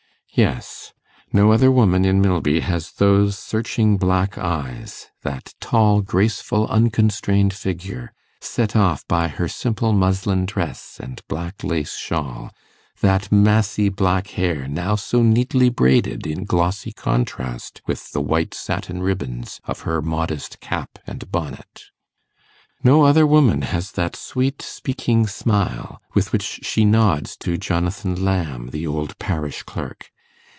Yes; no other woman in Milby has those searching black eyes, that tall graceful unconstrained figure, set off by her simple muslin dress and black lace shawl, that massy black hair now so neatly braided in glossy contrast with the white satin ribbons of her modest cap and bonnet. No other woman has that sweet speaking smile, with which she nods to Jonathan Lamb, the old parish clerk.